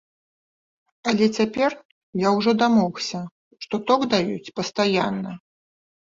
Але цяпер я ўжо дамогся, што ток даюць пастаянна.